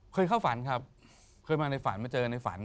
เคยเข้าฝันครับเคยมาในฝันมาเจอในฝัน